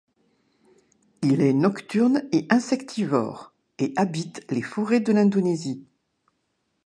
Il est nocturne et insectivore et habite les forêts de l'Indonésie.